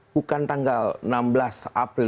bukan tanggal enam belas april